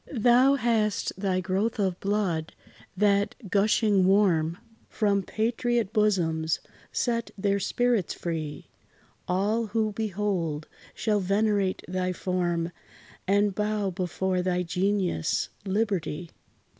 Thou hast thy growth of blood, that, gushing warm From patriot bosoms, set their spirits free: All, who behold, shall venerate thy form, And bow before thy genius, LIBERTY.